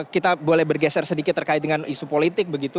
kita boleh bergeser sedikit terkait dengan isu politik begitu